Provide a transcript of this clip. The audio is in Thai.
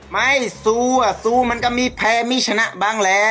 ไม่สู้อ่ะสู้มันก็มีแพ้มีชนะบ้างแล้ว